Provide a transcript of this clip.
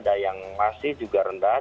vaksin ini juga rendah